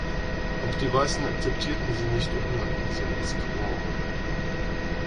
Auch die Weißen akzeptierten sie nicht und nannten sie eine Squaw.